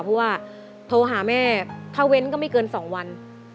เพราะว่าโทรหาแม่ถ้าเว้นก็ไม่เกิน๒วัน